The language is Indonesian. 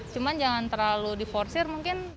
cuma jangan terlalu diforsir mungkin